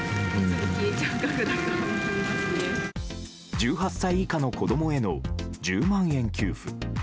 １８歳以下の子供への１０万円給付。